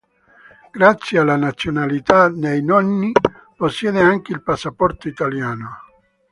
Grazie alla nazionalità dei nonni, possiede anche il passaporto italiano.